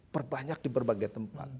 berbanyak di berbagai tempat